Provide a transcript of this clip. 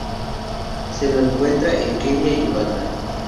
Se lo encuentra en Kenia y Uganda.